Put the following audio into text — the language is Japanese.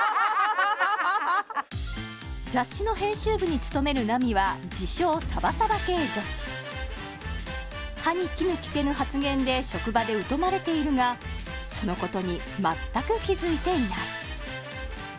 雑誌の編集部に勤める奈美は自称サバサバ系女子歯に衣着せぬ発言で職場で疎まれているがそのことに全く気づいていない